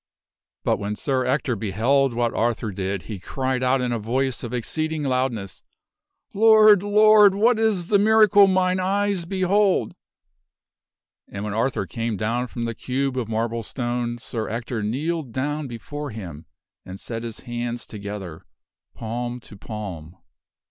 But when Sir Ector beheld what Arthur did, he cried out in a voice of exceeding loudness, "Lord! Lord! what is the miracle mine eyes be hold!" And when Arthur came down from the cube of marble stone, Sir Ector kneeled down before him and set his hands together, palm to palm.